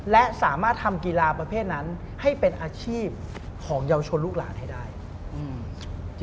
และสามารถทำกีฬาประเภทนั้นให้เป็นอาชีพของเยาวชนลูกหลานให้ได้อืม